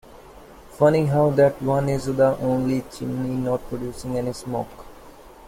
Funny how that one is the only chimney not producing any smoke.